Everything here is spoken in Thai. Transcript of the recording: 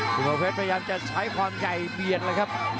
สุภเพชรพยายามจะใช้ความใหญ่เบียดเลยครับ